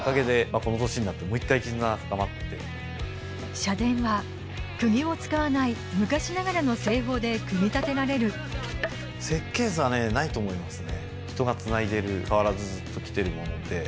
社殿はくぎを使わない昔ながらの製法で組み立てられると思いますね。